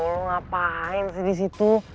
aduh lu ngapain sih di situ